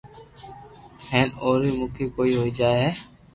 ھين اوري مڪي ھوئي جائي ھي